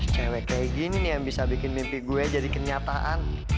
cewek kayak gini nih yang bisa bikin mimpi gue jadi kenyataan